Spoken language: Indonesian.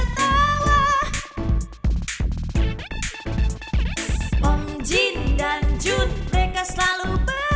tuh makanya jangan terlalu bapar